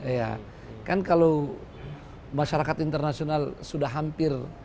ya kan kalau masyarakat internasional sudah hampir